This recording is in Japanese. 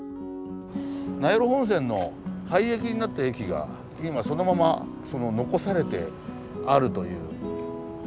名寄本線の廃駅になった駅が今そのまま残されてあるという話なので。